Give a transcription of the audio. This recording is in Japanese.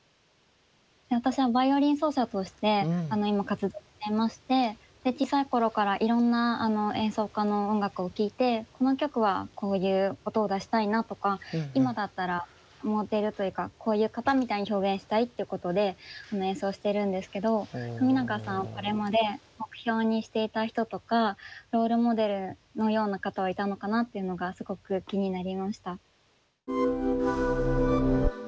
私はバイオリン奏者として今活動していまして小さい頃からいろんな演奏家の音楽を聴いてこの曲はこういう音を出したいなとか今だったらモデルというかこういう方みたいに表現したいってことで演奏してるんですけど冨永さんはこれまで目標にしていた人とかロールモデルのような方はいたのかなっていうのがすごく気になりました。